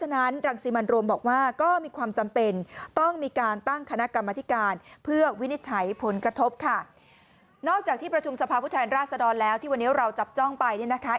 นอกจากที่ประชุมสภาพุทธแทนราษฎรแล้วที่วันนี้เราจับจ้องไปเนี่ยนะคะ